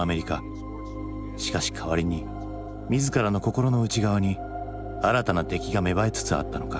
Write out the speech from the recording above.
しかし代わりに自らの心の内側に新たな敵が芽生えつつあったのか。